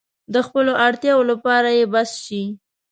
د خپلو اړتیاوو لپاره يې بس شي.